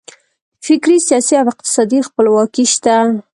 فکري، سیاسي او اقتصادي خپلواکي شته.